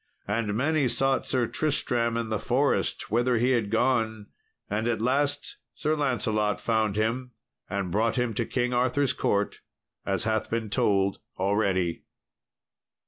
And many sought Sir Tristram in the forest whither he had gone, and at last Sir Lancelot found him, and brought him to King Arthur's court, as hath been told already.